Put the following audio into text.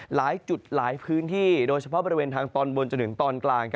หลายจุดหลายพื้นที่โดยเฉพาะบริเวณทางตอนบนจนถึงตอนกลาง